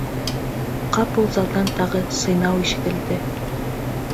Ҡапыл залдан тағы сыйнау ишетелде.